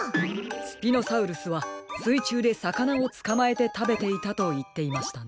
スピノサウルスはすいちゅうでさかなをつかまえてたべていたといっていましたね。